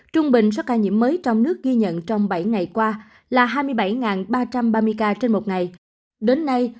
trung bình số ca nhiễm mới trong nước ghi nhận trong bảy ngày qua là hai mươi bảy ba trăm ba mươi ca trên một ngày đến nay